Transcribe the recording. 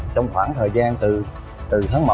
trong khoảng thời gian từ tháng một